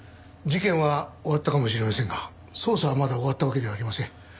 事件は終わったかもしれませんが捜査はまだ終わったわけではありません。